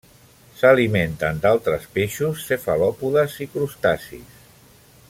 S'alimenten d'altres peixos cefalòpodes i crustacis.